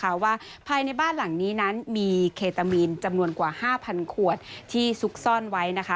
เพราะว่าภายในบ้านหลังนี้นั้นมีเคตามีนจำนวนกว่า๕๐๐ขวดที่ซุกซ่อนไว้นะคะ